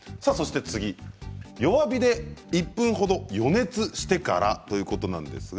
次は弱火で１分程予熱してからということです。